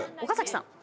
岡崎さん。